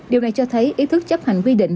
điều này cho thấy ý thức chấp hành quy định